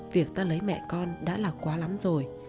việc ta lấy mẹ con đã là quá lắm rồi